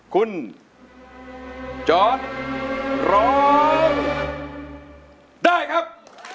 คุณจอร์ดร้องได้ครับ